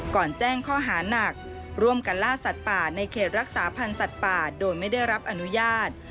แจ้งข้อหานักร่วมกันล่าสัตว์ป่าในเขตรักษาพันธ์สัตว์ป่าโดยไม่ได้รับอนุญาต